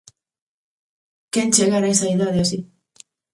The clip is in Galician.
Quen chegara a esa idade así!